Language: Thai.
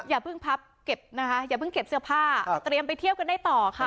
อย่าเพิ่งพับเก็บนะคะอย่าเพิ่งเก็บเสื้อผ้าเตรียมไปเที่ยวกันได้ต่อค่ะ